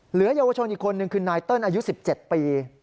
เหลือเยาวชนอีกคนนึงคือนายเติ้ลอายุ๑๗ปี